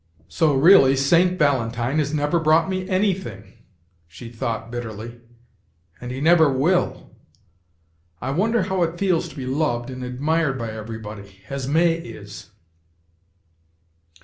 "So, really, St. Valentine has never brought me anything," she thought, bitterly, "and he never will! I wonder how it feels to be loved and admired by everybody, as May is!"